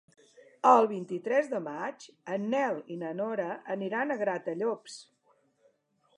El vint-i-tres de maig en Nel i na Nora aniran a Gratallops.